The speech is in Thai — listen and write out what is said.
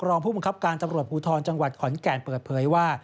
รองผู้บังคับการตำรวจภูทรจังหวัดขอนแก่นเปิดเผยว่า